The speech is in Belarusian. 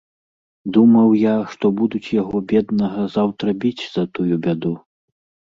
Думаў я, што будуць яго, беднага, заўтра біць за тую бяду.